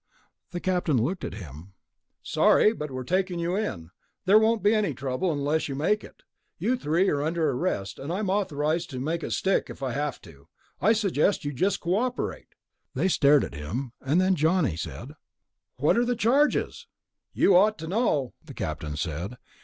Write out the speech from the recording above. The Captain looked at him. "Sorry, but we're taking you in. There won't be any trouble unless you make it. You three are under arrest, and I'm authorized to make it stick if I have to. I suggest you just cooperate." They stared at him. Then Johnny said, "What are the charges?" "You ought to know," the Captain said.